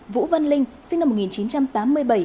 vũ văn linh sinh năm một nghìn chín trăm tám mươi bảy